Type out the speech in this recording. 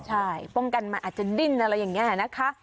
ใช่ป้องกันมันอาจจะดิ้นอะไรอย่างนี้นะคะ